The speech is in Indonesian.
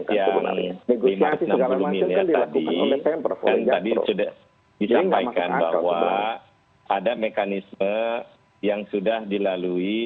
kan tadi sudah disampaikan bahwa ada mekanisme yang sudah dilalui